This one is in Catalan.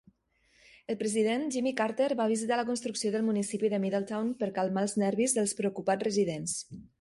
El president Jimmy Carter va visitar la construcció del municipi de Middletown per calmar els nervis dels preocupats residents.